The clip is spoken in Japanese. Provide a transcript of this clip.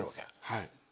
はい。